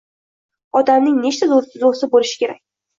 Odamning nechta doʻsti boʻlishi kerak